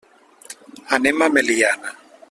Anem a Meliana.